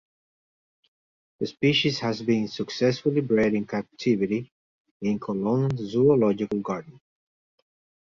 The species has been successfully bred in captivity in Cologne Zoological Garden.